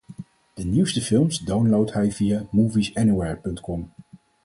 De nieuwste films downloadt hij via MoviesAnywhere.com.